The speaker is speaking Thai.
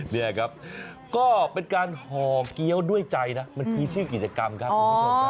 นี่ครับก็เป็นการห่อเกี้ยวด้วยใจนะมันคือชื่อกิจกรรมครับคุณผู้ชมครับ